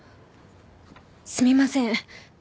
すみません。